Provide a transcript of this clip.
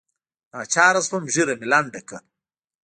ناچاره سوم ږيره مې لنډه کړه.